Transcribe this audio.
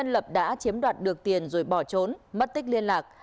lập đã chiếm đoạt được tiền rồi bỏ trốn mất tích liên lạc